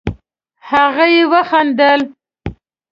هغې وخندل.